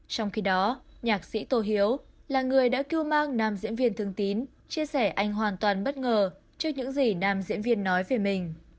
trong khi đó nhạc sĩ tô hiếu là người đã kêu mang nam diễn viên thương tín chia sẻ anh hoàn toàn bất ngờ trước những gì nam diễn viên nói về mình